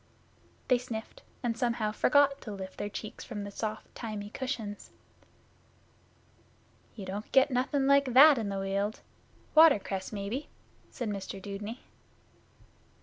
They sniffed, and somehow forgot to lift their cheeks from the soft thymy cushions. 'You don't get nothing like that in the Weald. Watercress, maybe?' said Mr Dudeney.